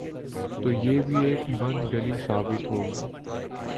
تو یہ بھی ایک بند گلی ثابت ہو گی۔